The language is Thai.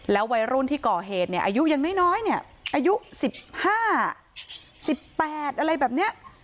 แล้ววัยรุ่นที่ก่อเหตุอายุยังน้อยอายุ๑๕๑๘อะไรแบบนี้